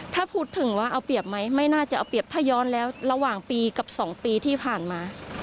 ถ้าพูดถึงว่าเอาเปรียบไหมไม่น่าจะเอาเปรียบถ้าย้อนแล้วระหว่างปีกับ๒ปีที่ผ่านมา